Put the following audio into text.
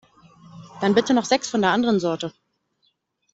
Dann bitte noch sechs von der anderen Sorte.